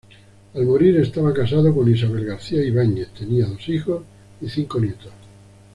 Al morir estaba casado con Isabel García Ibáñez, tenía dos hijos y cinco nietos.